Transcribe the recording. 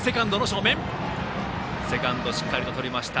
セカンドしっかりとりました。